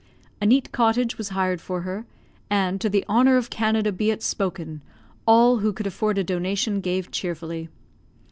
A neat cottage was hired for her; and, to the honour of Canada be it spoken, all who could afford a donation gave cheerfully.